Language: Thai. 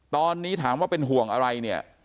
ตอนนี้ถามว่าเป็นห่วงอะไรเนี่ย